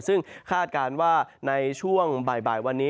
ซึ่งคาดการณ์ว่าในช่วงบ่ายวันนี้